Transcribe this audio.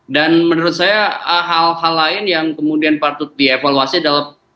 dan menurut saya hal hal lain yang kemudian patut dievaluasi adalah